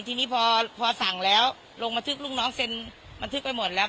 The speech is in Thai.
ทีนี้พอสั่งแล้วลงบันทึกลูกน้องเซ็นบันทึกไปหมดแล้ว